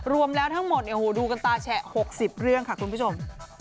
รวมแล้วทั้งหมดดูกันตาแฉะ๖๐เรื่องค่ะคุณผู้ชม